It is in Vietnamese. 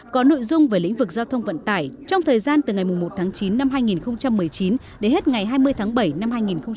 có nội dung về lĩnh vực giao thông vận tải trong thời gian từ ngày một tháng chín năm hai nghìn một mươi chín đến hết ngày hai mươi tháng bảy năm hai nghìn hai mươi